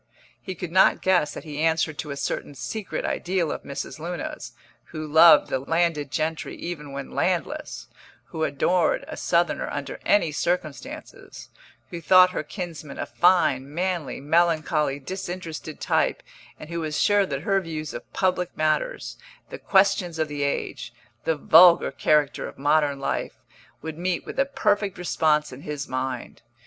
He could not guess that he answered to a certain secret ideal of Mrs. Luna's, who loved the landed gentry even when landless, who adored a Southerner under any circumstances, who thought her kinsman a fine, manly, melancholy, disinterested type, and who was sure that her views of public matters, the questions of the age, the vulgar character of modern life, would meet with a perfect response in his mind.